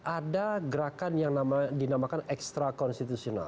ada gerakan yang dinamakan ekstra konstitusional